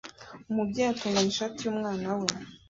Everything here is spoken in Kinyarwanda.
Umubyeyi atunganya ishati yumwana we